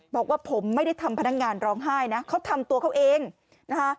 บอกว่าผมไม่ได้ทำพนักงานร้องไห้นะเขาทำตัวเขาเองนะคะ